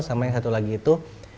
sama yang satu lagi itu